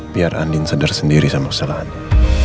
biar andien sederh sendiri sama kesalahannya